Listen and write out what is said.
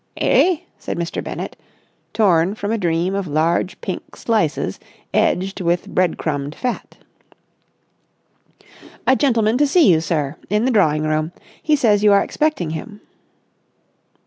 "Eh?" said Mr. Bennett, torn from a dream of large pink slices edged with bread crumbed fat. "A gentleman to see you, sir. In the drawing room. He says you are expecting him."